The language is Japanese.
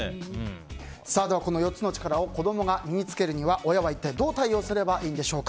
ではこの４つの力を子供が身に着けるには親は一体どう対応すればいいんでしょうか。